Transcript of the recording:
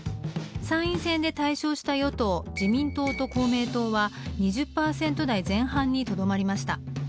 参院選で大勝した与党自民党と公明党は２０パーセント台前半にとどまりました。